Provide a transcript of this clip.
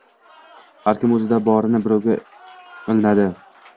Har kim oʻzida borini birovga ilinadi